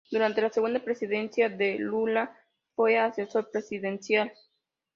Durante la segunda presidencia de Lula fue asesor presidencial.